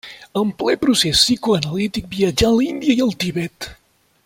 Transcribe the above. En ple procés psicoanalític viatjà a l'Índia i al Tibet.